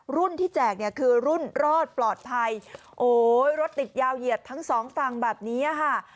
ที่แจกเนี่ยคือรุ่นรอดปลอดภัยโอ้ยรถติดยาวเหยียดทั้งสองฝั่งแบบนี้ค่ะ